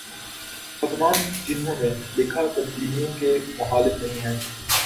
وہ تمام جنہوں نے لکھا تبدیلیوں کے مخالف نہیں ہیں